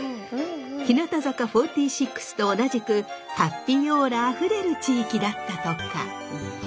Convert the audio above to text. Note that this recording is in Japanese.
日向坂４６と同じくハッピーオーラあふれる地域だったとか。